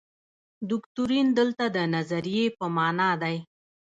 دوکتورین دلته د نظریې په معنا دی.